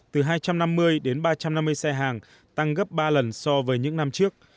từ hai trăm năm mươi đến ba trăm năm mươi xe hàng tăng gấp ba lần so với những năm trước